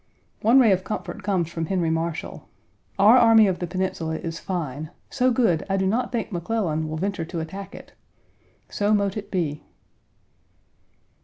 One ray of comfort comes from Henry Marshall. "Our Army of the Peninsula is fine; so good I do not think McClellan will venture to attack it." So mote it be.